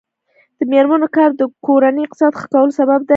د میرمنو کار د کورنۍ اقتصاد ښه کولو سبب دی.